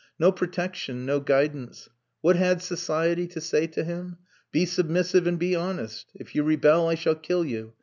No protection, no guidance! What had society to say to him? Be submissive and be honest. If you rebel I shall kill you.